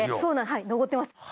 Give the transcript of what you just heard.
はい登ってます。